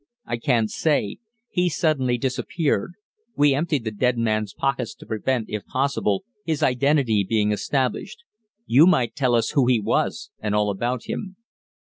"I can't say. He suddenly disappeared. We emptied the dead man's pockets to prevent, if possible, his identity being established. You might tell us who he was, and all about him."